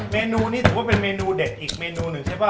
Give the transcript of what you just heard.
เมนูนี้ถือว่าเป็นเมนูเด็ดอีกเมนูหนึ่งใช่ป่